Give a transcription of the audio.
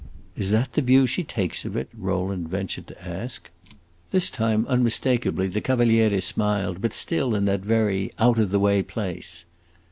"Is that the view she takes of it?" Rowland ventured to ask. This time, unmistakably, the Cavaliere smiled, but still in that very out of the way place.